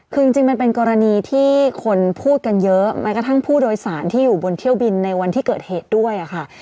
คือจริงมันเป็นกรณีที่คนพูดกันเยอะแม้กระทั่งผู้โดยสารที่อยู่บนเที่ยวบินในวันที่เกิดเหตุด้วยค่ะ